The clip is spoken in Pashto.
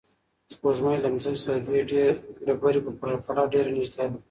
سپوږمۍ له ځمکې څخه د دې ډبرې په پرتله ډېره نږدې ده.